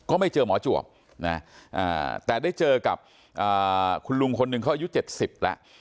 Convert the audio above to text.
ก็ไม่เจอหมอจวบแต่เคยได้เจอกับคุณลุงคนอายุ๗๐แล้ว